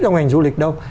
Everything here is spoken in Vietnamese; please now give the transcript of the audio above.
cho ngành du lịch đâu